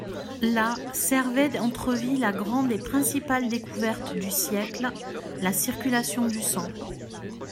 Là, Servet entrevit la grande et principale découverte du siècle, la circulation du sang.